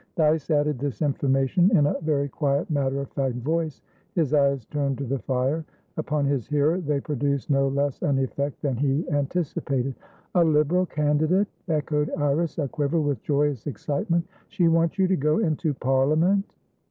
Dyce added this information in a very quiet, matter of fact voice, his eyes turned to the fire. Upon his hearer they produced no less an effect than he anticipated. "A Liberal candidate!" echoed Iris, a quiver with joyous excitement. "She wants you to go into Parliament!"